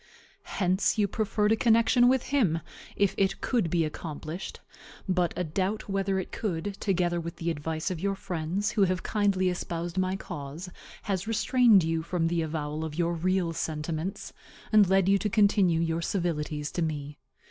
Hence you preferred a connection with him, if it could be accomplished; but a doubt whether it could, together with the advice of your friends, who have kindly espoused my cause, has restrained you from the avowal of your real sentiments, and led you to continue your civilities to me.